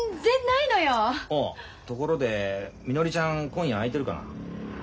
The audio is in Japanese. ああところでみのりちゃん今夜空いてるかな。